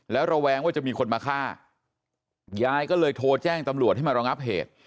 แล้วระแวงว่าจะมีคนมาฆ่ายายก็เลยโทรแจ้งตำรวจให้มารองับเหตุ